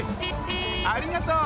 ありがとう！